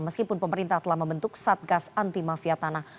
meskipun pemerintah telah membentuk satgas anti mafia tanah